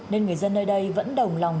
nên người dân nơi đây vẫn đồng lòng